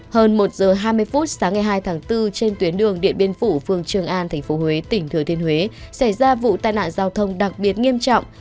hơn một giờ hai mươi phút sáng ngày hai tháng bốn trên tuyến đường điện biên phủ phường trường an tp huế tỉnh thừa thiên huế xảy ra vụ tai nạn giao thông đặc biệt nghiêm trọng